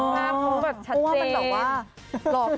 แต่คือชัดเจน